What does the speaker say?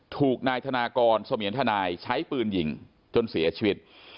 ถูกนายธนากรเสมียนทนายใช้ปืนยิงจนเสียชีวิต